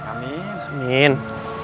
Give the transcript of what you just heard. ikannya kecil kecil juga yaidah